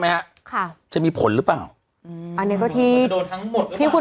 ไหมฮะค่ะจะมีผลหรือเปล่าอืมอันนี้ก็ที่โดนทั้งหมดที่คุณ